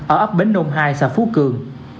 ở ấp bến đông hai xã phú cường